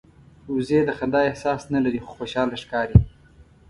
وزې د خندا احساس نه لري خو خوشاله ښکاري